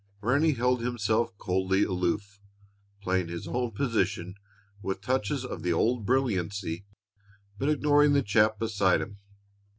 Ranny held himself coldly aloof, playing his own position with touches of the old brilliancy, but ignoring the chap beside him.